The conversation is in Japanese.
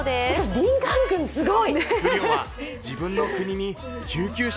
リンカーン君、すごい。